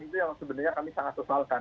itu yang sebenarnya kami sangat kesalkan